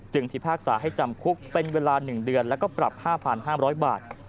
พิพากษาให้จำคุกเป็นเวลา๑เดือนแล้วก็ปรับ๕๕๐๐บาท